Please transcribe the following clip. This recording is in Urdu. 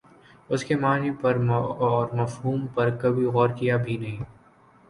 اسکے معانی پر اور مفہوم پر کبھی غورکیا بھی نہیں